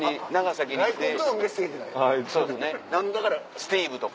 スティーブとか。